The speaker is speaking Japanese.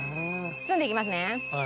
包んでいきますね。